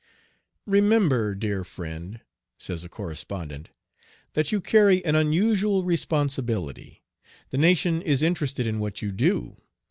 "Remember, dear friend," says a correspondent, "that you carry an unusual responsibility. The nation is interested in what you do.